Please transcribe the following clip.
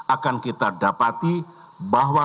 akan kita dapati bahwa